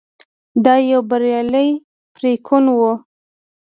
دا یو بریالی پرېکون و.